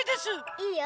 いいよ。